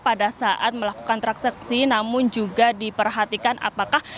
pada saat melakukan transaksi namun juga diperhatikan apakah